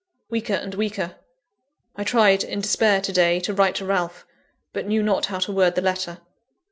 Weaker and weaker. I tried in despair, to day, to write to Ralph; but knew not how to word the letter.